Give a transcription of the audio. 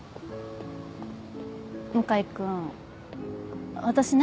向井君私ね。